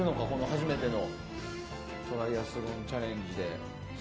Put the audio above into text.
初めてのトライアスロンチャレンジで。